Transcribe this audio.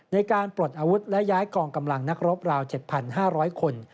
ในการปลดอาวุธและย้ายกองกำลังนักรบราว๗๕๐๐คน